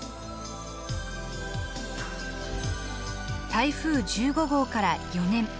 台風１５号から４年。